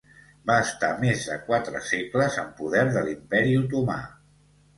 Va estar més de quatre segles en poder de l'Imperi Otomà.